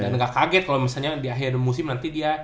dan gak kaget kalo misalnya di akhir musim nanti dia